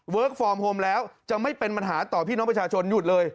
ฟอร์มโฮมแล้วจะไม่เป็นปัญหาต่อพี่น้องประชาชนหยุดเลย